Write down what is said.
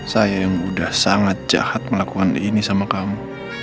saya yang udah sangat jahat melakukan ini sama kamu